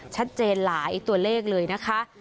ชัดเจนหลายตัวเลขเลยนะคะ